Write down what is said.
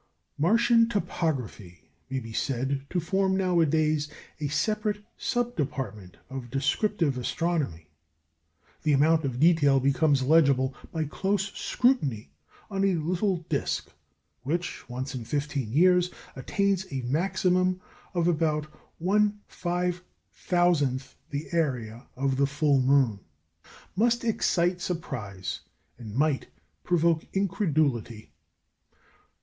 Martian topography may be said to form nowadays a separate sub department of descriptive astronomy. The amount of detail become legible by close scrutiny on a little disc which, once in fifteen years, attains a maximum of about 1/5000 the area of the full moon, must excite surprise and might provoke incredulity.